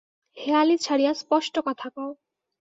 হেঁয়ালি ছাড়িয়া স্পষ্ট কথা কও।